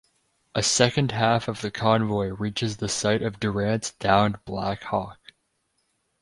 A second half of the convoy reaches the site of Durant's downed Black Hawk.